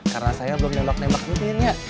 karena saya belum ngembak nembak intinya